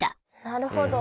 なるほど。